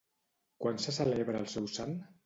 Quan se celebra el seu sant?